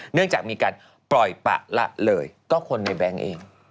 เนื่องจากมีการปล่อยปะละเลยก็คนในแบงค์เอง